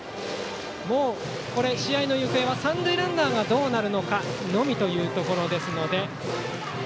もう試合の行方は三塁ランナーがどうなるのかのみというところですので。